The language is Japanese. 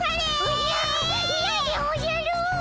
おじゃいやでおじゃる。